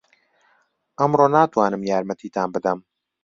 ئەمڕۆ ناتوانم یارمەتیتان بدەم.